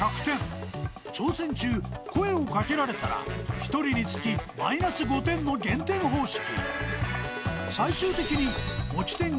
［挑戦中声を掛けられたら１人につきマイナス５点の減点方式］